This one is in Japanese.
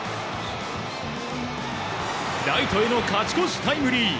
ライトへの勝ち越しタイムリー。